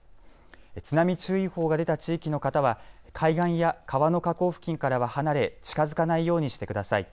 津波注意報が出た地域の方は海岸や川の河口付近からは離れ近づかないようにしてください。